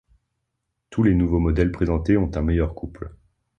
Tous les nouveaux modèles présentés ont un meilleur couple.